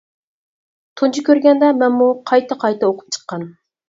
تۇنجى كۆرگەندە مەنمۇ قايتا-قايتا ئوقۇپ چىققان.